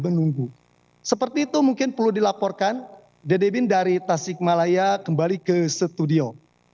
menunggu seperti itu mungkin perlu dilaporkan dede bin dari tasikmalaya kembali ke studio